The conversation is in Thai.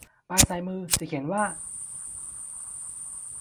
ป้ายซ้ายมือจะเขียนว่า